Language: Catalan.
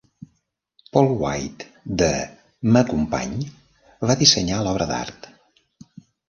Paul White de "me company" va dissenyar l'obra d'art.